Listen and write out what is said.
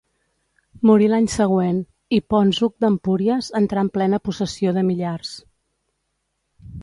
Morí l'any següent, i Ponç Hug d'Empúries entrà en plena possessió de Millars.